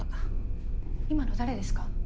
今の誰ですか？